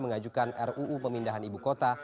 mengajukan ruu pemindahan ibu kota